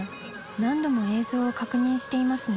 何度も映像を確認していますね。